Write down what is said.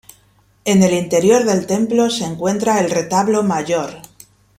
En el interior del templo se encuentra el retablo mayor.